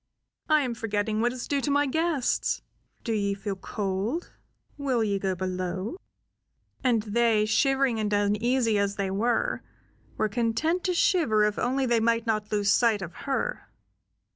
"I am forgetting what is due to my guests. Do ye feel cold? Will ye go below?" And they, shivering and uneasy as they were, were content to shiver if only they might not lose sight of her.